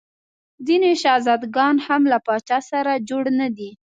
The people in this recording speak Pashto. ځیني شهزاده ګان هم له پاچا سره جوړ نه دي.